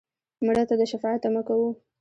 مړه ته د شفاعت تمه کوو